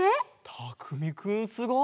たくみくんすごい！